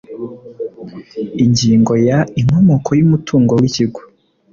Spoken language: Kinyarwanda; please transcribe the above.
ingingo ya inkomoko y umutungo w ikigo